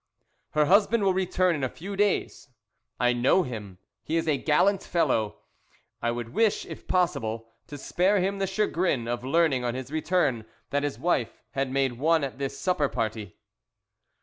"Her husband will return in a few days. I know him. He is a gallant fellow. I would wish, if possible, to spare him the chagrin of learning on his return that his wife had made one at this supper party."